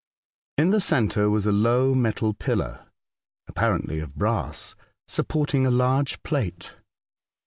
In the centre was a low metal pillar (apparently of brass) supporting a large plate.